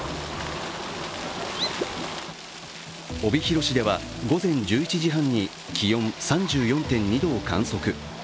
帯広市では午前１１時半に気温３４．２度を観測。